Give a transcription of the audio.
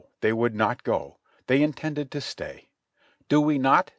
they zvould not go; they intended to stay; "do we not?"